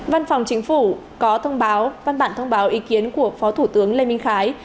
văn phòng chính phủ có thông báo văn bản thông báo ý kiến của phó thủ tướng lê minh khái